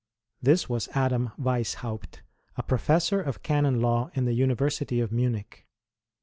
This was Adam Wieshaupt, a Professor of Canon Law in the University of Munich.